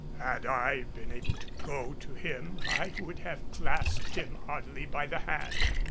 Had I been able to go to him I would have clasped him heartily by the hand.